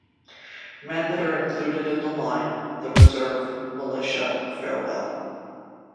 Men that are included in the line, the reserve, militia, farewell.